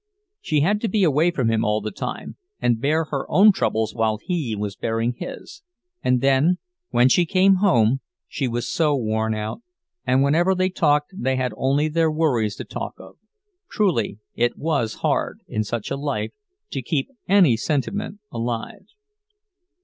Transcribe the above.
She had to be away from him all the time, and bear her own troubles while he was bearing his; and then, when she came home, she was so worn out; and whenever they talked they had only their worries to talk of—truly it was hard, in such a life, to keep any sentiment alive.